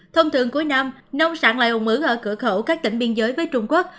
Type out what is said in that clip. thông thường cuối năm nông sản lại ổn ứng ở cửa khẩu các tỉnh biên giới với trung quốc